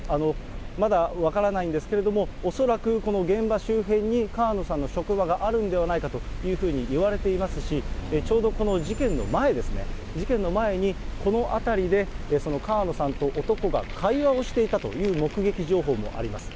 まだ分からないんですけれども、恐らくこの現場周辺に川野さんの職場があるんではないかというふうにいわれていますし、ちょうどこの事件の前ですね、事件の前に、この辺りでその川野さんと男が会話をしていたという目撃情報もあります。